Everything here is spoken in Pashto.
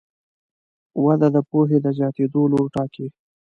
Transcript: وده د پوهې د زیاتېدو لوری ټاکي.